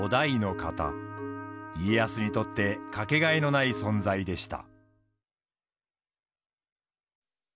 家康にとってかけがえのない存在でした。